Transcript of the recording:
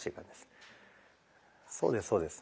そうですそうです。